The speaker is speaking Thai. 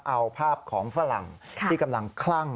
เอาภาพของฝรั่งที่กำลังคลั่ง